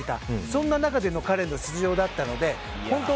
そんな中での彼の出場だったので本当